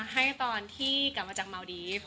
ให้ตอนที่กลับมาจากเมาดีฟ